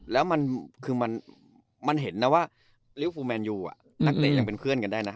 แล้วมันเห็นนะว่าริวฟูแมนยูอะนักเด็กยังเป็นเพื่อนกันได้นะ